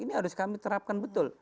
ini harus kami terapkan betul